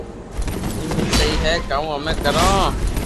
ايم اي سھي ھي ڪاو ھمي ڪرو